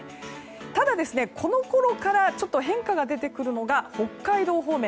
ただ、このころからちょっと変化が出てくるのが北海道方面。